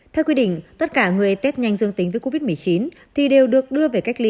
theo quy định tất cả người tết nhanh dương tính với covid một mươi chín thì đều được đưa về cách ly